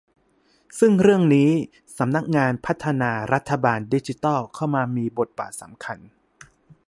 ซึ่งเรื่องนี้สำนักงานพัฒนารัฐบาลดิจิทัลจะเข้ามามีบทบาทสำคัญ